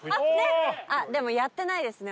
あっでもやってないですね